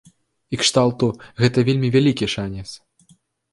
І кшталту, гэта вельмі вялікі шанец.